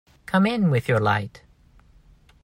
Come in with your light.